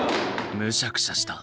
むしゃくしゃした。